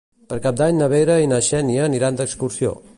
Per Cap d'Any na Vera i na Xènia aniran d'excursió.